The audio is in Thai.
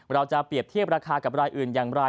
เราจะเปรียบเทียบราคากับรายอื่นอย่างไร